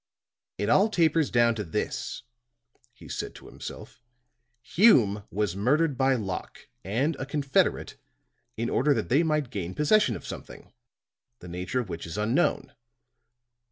"It all tapers down to this," he said to himself. "Hume was murdered by Locke and a confederate in order that they might gain possession of something, the nature of which is unknown.